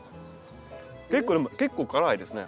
結構でも結構辛いですね。